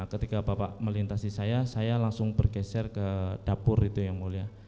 ketika bapak melintasi saya saya langsung bergeser ke dapur itu yang mulia